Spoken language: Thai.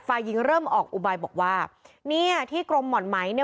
ฝ่ายหญิงเริ่มออกอุบายบอกว่าเนี่ยที่กรมห่อนไม้เนี่ย